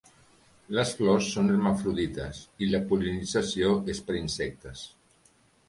Les flors són hermafrodites, i la pol·linització és per insectes.